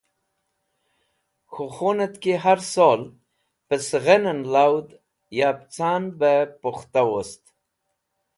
K̃hũ khunẽt ki har sol pe sẽghezẽn lawd yab can bẽ pukhta wost.